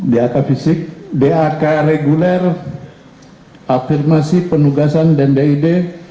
dak fisik dak reguler afirmasi penugasan dan did